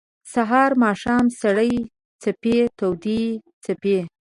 سهار ، ماښام سړې څپې تودي څپې